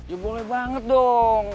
ya boleh banget dong